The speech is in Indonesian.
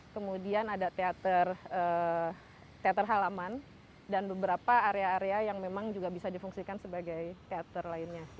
kemudian ada teater halaman dan beberapa area area yang memang juga bisa difungsikan sebagai teater lainnya